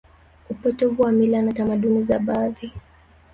upotovu wa mila na tamaduni za baadhi